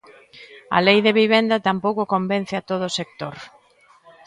A Lei de vivenda tampouco convence a todo o sector.